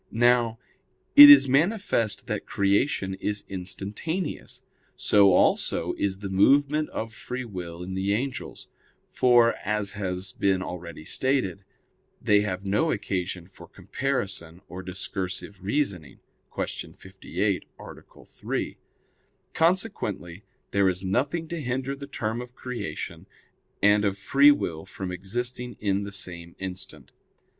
Now, it is manifest that creation is instantaneous; so also is the movement of free will in the angels; for, as has been already stated, they have no occasion for comparison or discursive reasoning (Q. 58, A. 3). Consequently, there is nothing to hinder the term of creation and of free will from existing in the same instant.